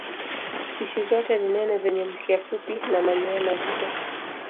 Spishi zote ni nene zenye mkia mfupi na manyoya mazito.